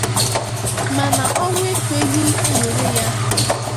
Mana ọnwụ ekweghị ewere ya